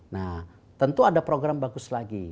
nah tentu ada program bagus lagi